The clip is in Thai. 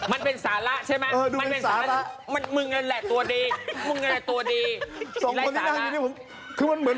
มันเป็นศาละใช่ไหม